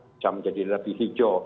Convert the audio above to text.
bisa menjadi lebih hijau